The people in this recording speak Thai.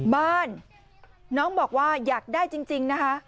บ้านน้องบอกว่าอยากได้จริงนะคะ